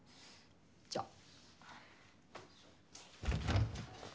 じゃあ。